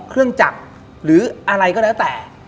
เครื่องจักรหรืออะไรก็แล้วแต่